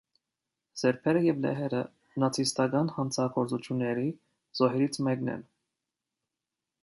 Սերբերը և լեհերը նացիստական հանցագործությունների զոհերից մեկն են։